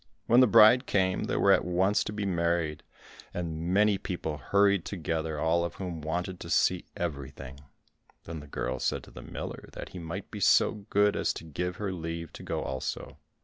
When the bride came, they were at once to be married. And many people hurried together, all of whom wanted to see everything. Then the girl said to the miller that he might be so good as to give her leave to go also.